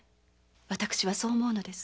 私はそう思うのです。